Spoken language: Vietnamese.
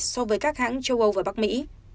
so với các hãng châu âu và bắc mỹ